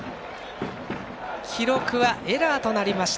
記録はエラーとなりました。